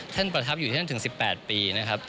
ประทับอยู่ที่นั่นถึง๑๘ปีนะครับ